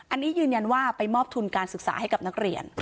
อันนี้ยืนยันว่าไปมอบทุนการศึกษาให้กับนักเรียน